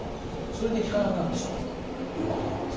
それで効かなくなってしまうということなんですね。